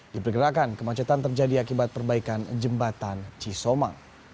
di pergerakan kemacetan terjadi akibat perbaikan jembatan cisoma